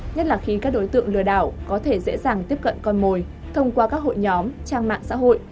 nhất là khi các đối tượng lừa đảo có thể dễ dàng tiếp cận con mồi thông qua các hội nhóm trang mạng xã hội